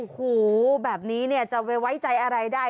โอ้โหแบบนี้เนี่ยจะไปไว้ใจอะไรได้